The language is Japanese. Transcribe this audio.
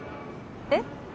えっ？